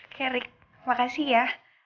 oke rik makasih ya